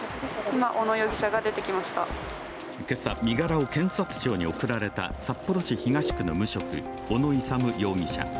今朝、身柄を検察庁に送られた札幌市東区の無職、小野勇容疑者。